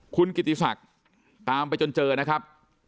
คุณกิติศักดิ์ตามไปจนเจอนะครับ